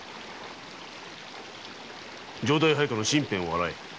城代配下の身辺を洗え。